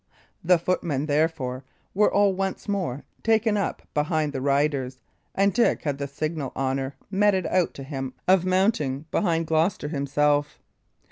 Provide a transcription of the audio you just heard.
The footmen, therefore, were all once more taken up behind the riders, and Dick had the signal honour meted out to him of mounting behind Gloucester himself.